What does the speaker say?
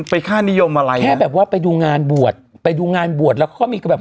ค่านิยมอะไรแค่แบบว่าไปดูงานบวชไปดูงานบวชแล้วเขาก็มีแบบ